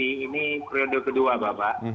ini periode kedua pak